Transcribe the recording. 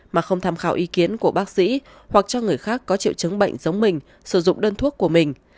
mà không tham khảo ý kiến của bác sĩ hoặc cho người khác có triệu chứng bệnh giống mình sử dụng đơn thuốc của mình